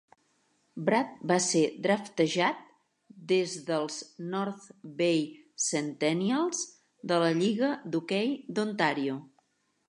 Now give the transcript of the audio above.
Brad va ser draftejat des dels North Bay Centennials de la lliga d'hoquei d'Ontàrio.